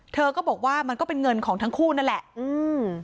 เธอก็บอกว่ามันก็เป็นเงินของทั้งคู่นั่นแหละอืม